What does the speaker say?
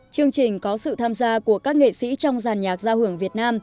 chương trình có sự tham gia của các nghệ sĩ trong giàn nhạc giao hưởng việt nam